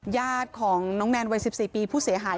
ญาติของน้องแนนวัย๑๔ปีผู้เสียหาย